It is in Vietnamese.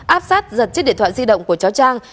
áp sát giật chiếc điện thoại di động của cháu trang